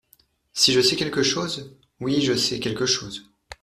Si je sais quelque chose ? Oui, je sais quelque chose.